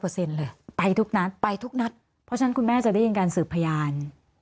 เปอร์เซ็นท์เลยไปทุกทันแล้วไปทุกนักเพราะฉะนั้นคุณแม่จะได้เงินการสึกพญาน